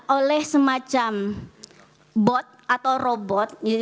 oleh semacam bot atau robot